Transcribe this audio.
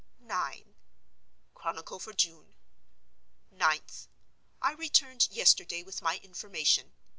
IX. Chronicle for June. 9th.—I returned yesterday with my information.